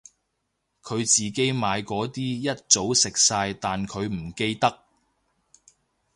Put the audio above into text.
佢自己買嗰啲一早食晒但佢唔記得